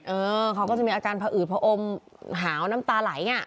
เออเขาก็จะมีอาการพระอืดพระอมหาวน้ำตาไหลอย่างนี้